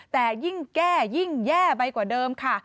แต่ยิ่งแก้ยิ่งแย่ไปกว่าเดิมค่ะ